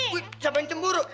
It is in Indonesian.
wih siapa yang cemburu